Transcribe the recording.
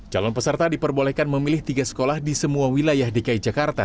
calon peserta diperbolehkan memilih tiga sekolah di semua wilayah dki jakarta